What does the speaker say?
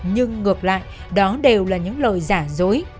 nhưng ngược lại đó đều là những lời giả dối